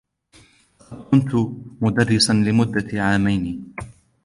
لقد كنتُ مدرساً لمدة عامين.